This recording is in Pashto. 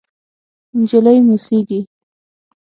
نجلۍ موسېږي…